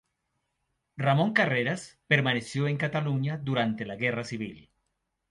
Ramón Carreras permaneció en Cataluña durante la Guerra Civil.